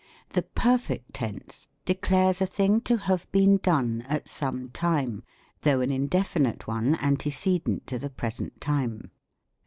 The Perfect Tense declares a thing to have been done at some time, though an indefinite one, antece dent to the present time.